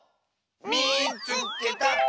「みいつけた！」。